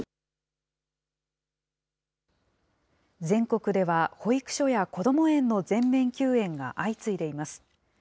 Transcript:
全国では、保育所やこども園の全面休園が相次いでいます。